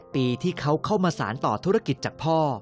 ปีที่เขาเข้ามาสารต่อธุรกิจจากพ่อ